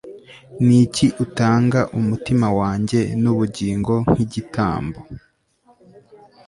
Niki utanga umutima wanjye nubugingo nkigitambo